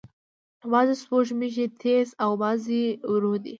بعضې سپوږمۍ تیز او بعضې ورو دي.